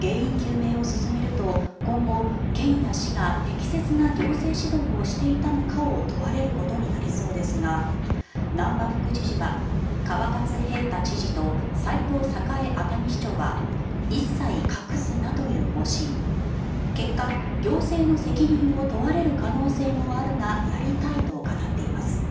原因究明を進めると今後、県や市が適切な行政指導をしていたのかを問われることになりそうですが難波副知事は川勝平太知事と齊藤栄熱海市長は一切隠すなという方針結果、行政の責任を問われる可能性もあるがやりたいと語っています。